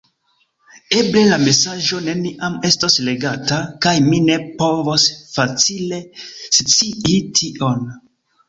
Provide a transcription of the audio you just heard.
Eble la mesaĝo neniam estos legata, kaj mi ne povos facile scii tion.